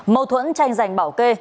mâu thuẫn tranh giành bảo kê